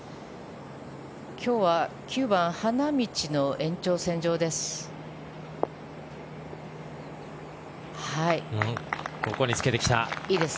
今日は９番花道の延長線上です。